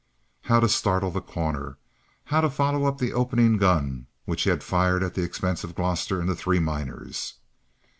How to startle The Corner? How follow up the opening gun which he had fired at the expense of Gloster and the three miners?